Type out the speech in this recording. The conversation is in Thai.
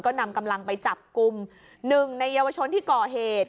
ก็นำกำลังไปจับกลุ่มหนึ่งในเยาวชนที่ก่อเหตุ